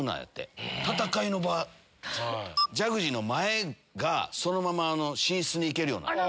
ジャグジーの前がそのまま寝室に行けるようになってて。